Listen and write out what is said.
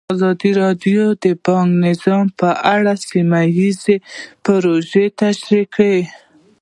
ازادي راډیو د بانکي نظام په اړه سیمه ییزې پروژې تشریح کړې.